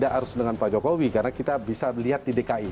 harus dengan pak jokowi karena kita bisa lihat di dki